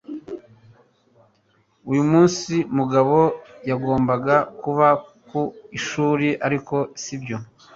Uyu munsi Mugabo yagombaga kuba ku ishuri, ariko sibyo.